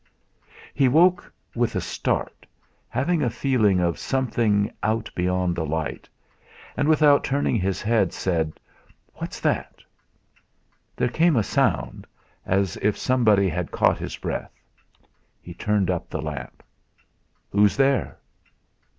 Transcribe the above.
He woke with a start, having a feeling of something out beyond the light, and without turning his head said: "What's that?" There came a sound as if somebody had caught his breath. He turned up the lamp. "Who's there?"